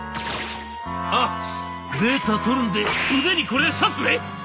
「あデータ取るんで腕にこれ刺すね！」。